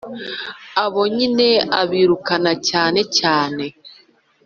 abo nyine abirukana cyane cyane,